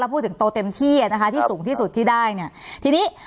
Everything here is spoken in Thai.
พูดถึงโตเต็มที่อ่ะนะคะที่สูงที่สุดที่ได้เนี่ยทีนี้